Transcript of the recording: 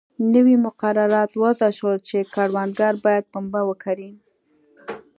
نوي مقررات وضع شول چې کروندګر باید پنبه وکري.